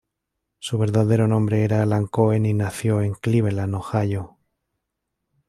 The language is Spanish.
Su verdadero nombre era Alan Cohen, y nació en Cleveland, Ohio.